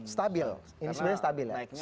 stabil ini sebenarnya stabil